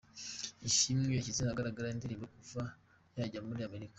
Ishimwe yashyize ahagaragara indirimbo kuva yajya muri Amerika